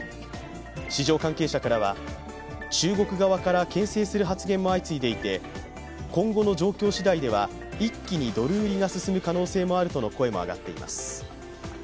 市場関係者からは中国側から牽制する発言も相次いでいて、今後の状況しだいでは一気にドル売りが進む可能性もあるとの声も上がっています。